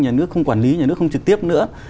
nhà nước không quản lý nhà nước không trực tiếp nữa